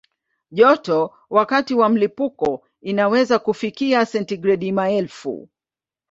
Joto wakati wa mlipuko inaweza kufikia sentigredi maelfu.